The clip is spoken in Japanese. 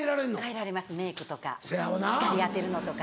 変えられますメイクとか光当てるのとか。